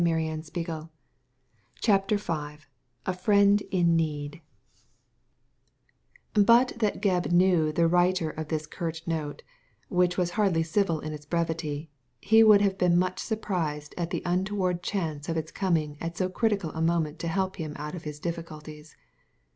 Digitized by Google CHAPTER V A FRIEND IN NEED But that Gebb knew the writer of this curt note, which was hardly civil in its brevity, he would have been much surprised at the untoward chance of its coming at so critical a moment to help him out of his difficulties.